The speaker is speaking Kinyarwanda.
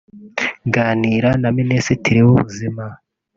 ganira na Minisitiri w’ubuzima